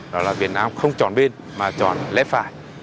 đó là việt nam không chọn bên mà chọn lép phải